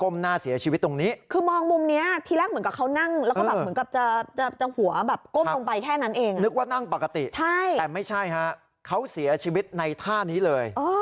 นึกว่านั่งปกติแต่ไม่ใช่ฮะเขาเสียชีวิตในท่านี้เลย